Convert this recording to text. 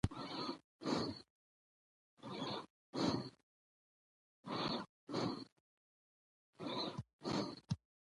اوښ د افغانستان د ښاري پراختیا یو سبب دی.